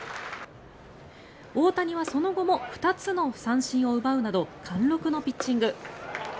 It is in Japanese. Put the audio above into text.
大谷はその後も２つの三振を奪うなど貫禄のピッチング。